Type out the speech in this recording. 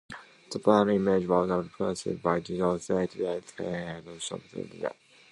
The band's image was represented by Jones' red dyed hair and Jordan's leather trousers.